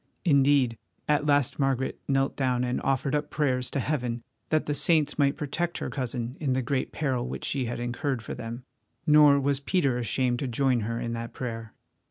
Indeed, at last Margaret knelt down and offered up prayers to Heaven that the saints might protect her cousin in the great peril which she had incurred for them, nor was Peter ashamed to join her in that prayer.